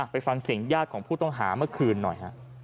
ไปฟังเสียงญาติของผู้ต้องหาเมื่อคืนหน่อยฮะ